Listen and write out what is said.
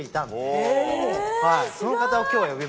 その方を今日は呼びました。